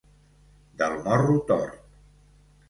Del morro tort.